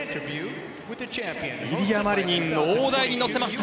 イリア・マリニン大台に乗せました。